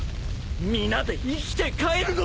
皆で生きて帰るのだ！